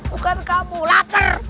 bukan kamu laper